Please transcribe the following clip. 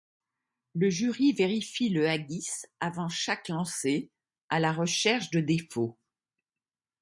Le jury vérifie le haggis avant chaque lancer, à la recherche de défauts.